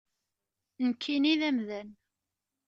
Nekkini d amdan.